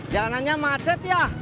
jalanannya macet ya